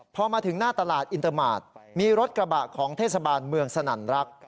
พอมาถึงหน้าตลาดอินเตอร์มาร์ทมีรถกระบะของเทศบาลเมืองสนั่นรัก